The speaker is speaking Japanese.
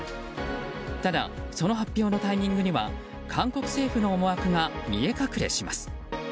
ただ、その発表のタイミングには韓国政府の思惑が見え隠れします。